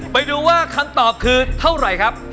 ไปดูว่าคำตอบคือเท่าไหร่ครับ